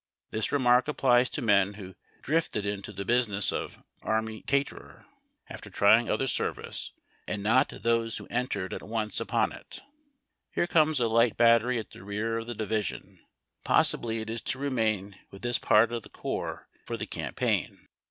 This remark applies to men who drifted into tlie business of ''army caterer" after trying other service, and not those who entered at once upon it. Here comes a light battery at the rear of the division. Possibly it is to remain with this part of the corps for the campaign.